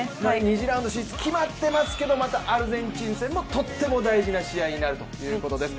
２次ラウンド進出決まってますけどまたアルゼンチン戦もとっても大事な試合になるということです。